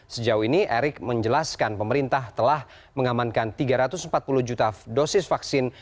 sejauh ini erick menjelaskan pemerintah telah mengamankan tiga ratus empat puluh juta dosis vaksin